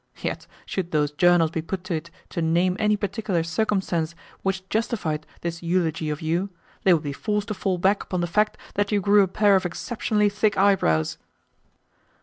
Yet, should those journals be put to it to name any particular circumstance which justified this eulogy of you, they would be forced to fall back upon the fact that you grew a pair of exceptionally thick eyebrows!"